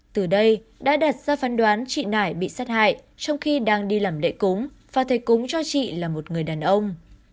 từ đây đã đặt ra phán đoán chị nải bị sát hại trong khi đang đi làm lễ cúng và thầy cúng cho chị là một người đàn ông